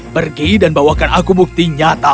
pergi dan bawakan aku bukti nyata